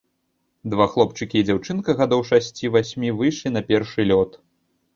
Два хлопчыкі і дзяўчынка гадоў шасці-васьмі выйшлі на першы лёд.